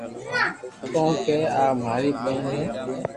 ڪون ڪيي آ ماري ٻين ھي